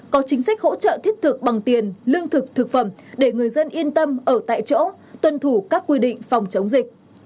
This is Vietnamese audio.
có chính sách hỗ trợ thiết thực bằng tiền lương thực thực phẩm để người dân yên tâm ở tại chỗ tuân thủ các quy định phòng chống dịch